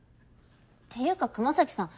っていうか熊咲さん